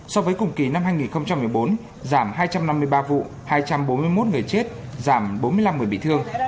so với cùng kỳ năm hai nghìn một mươi bốn giảm hai trăm năm mươi ba vụ hai trăm bốn mươi một người chết giảm bốn mươi năm người bị thương